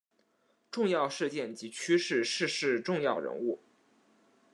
重要事件及趋势逝世重要人物